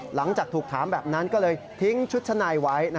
หลังจากถูกถามแบบนั้นก็เลยทิ้งชุดชั้นในไว้